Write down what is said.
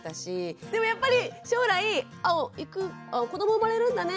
でもやっぱり将来「子ども生まれるんだね」